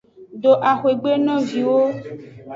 Do axwegbe no viwo.